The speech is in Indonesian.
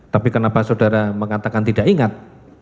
tapi kenapa saudara mengatakan tidak ingat